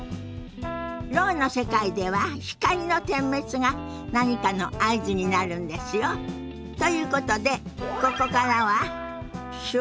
ろうの世界では光の点滅が何かの合図になるんですよ。ということでここからは「手話っとストレッチ」のお時間ですよ。